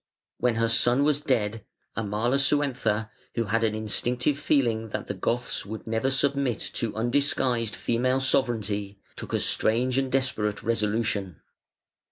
When her son was dead, Amalasuentha, who had an instinctive feeling that the Goths would never submit to undisguised female sovereignty, took a strange and desperate resolution.